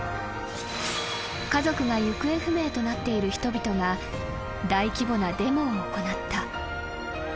［家族が行方不明となっている人々が大規模なデモを行った］